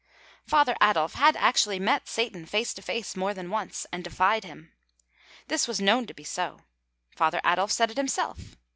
Father Adolf had actually met Satan face to face more than once, and defied him. This was known to be so. Father Adolf said it himself.